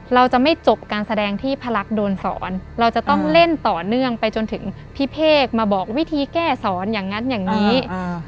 เราจะไม่จบการแสดงที่พระลักษณ์โดนสอนเราจะต้องเล่นต่อเนื่องไปจนถึงพี่เภกมาบอกวิธีแก้สอนอย่างนั้นอย่างนี้